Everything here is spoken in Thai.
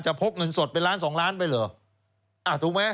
พกเงินสดเป็นล้านสองล้านไปเหรอถูกไหม